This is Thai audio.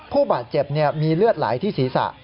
ผู้บาดเจ็บมีเลือดไหลที่ศีรษะ